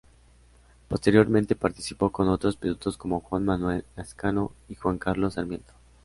Posteriormente participó con otros pilotos como Juan Manuel Lazcano y Juan Carlos Sarmiento.